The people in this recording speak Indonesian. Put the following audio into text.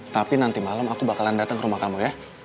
tapi nanti malam aku bakalan datang ke rumah kamu ya